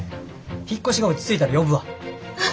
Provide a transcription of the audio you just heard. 引っ越しが落ち着いたら呼ぶわ。